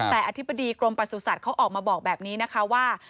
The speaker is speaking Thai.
แต่อธิบดีกรมประสุทธิ์เขาออกมาบอกแบบนี้นะคะว่า